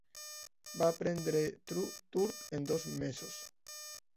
Va aprendre turc en dos mesos.